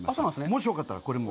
もしよかったら、これも。